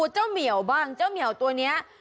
เหมียวบ้างเจ้าเหมียวตัวนี้